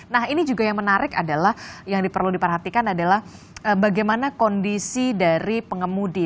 nah ini juga yang menarik adalah yang perlu diperhatikan adalah bagaimana kondisi dari pengemudi